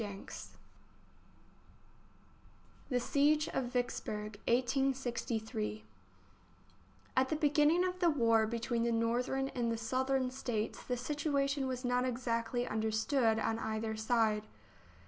THE SIEGE OF VICKSBURG, 1863 A T the beginning of the war between the L\ Northern and the Southern States the JL JL. situation was not exactly understood on either side.